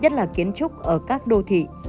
nhất là kiến trúc ở các đô thị